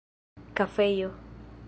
kafejo